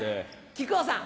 木久扇さん。